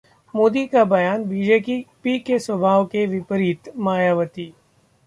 मोदी का बयान बीजेपी के स्वभाव के विपरीत: मायावती